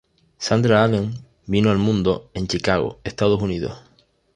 Sandra Allen vino al mundo en Chicago, Estados Unidos.